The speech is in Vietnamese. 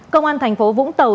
công an thành phố vũng tàu